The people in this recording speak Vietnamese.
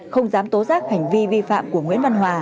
không dám tố giác hành vi vi phạm của nguyễn văn hòa